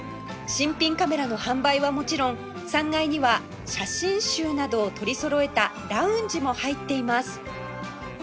新品カメラの販売はもちろん３階には写真集などを取りそろえたラウンジも入っています